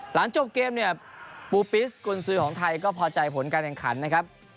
หลังจบเกมเนี่ยปูปิสกุญสือของไทยก็พอใจผลการแข่งขันนะครับ